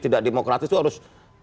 tidak demokratis itu harus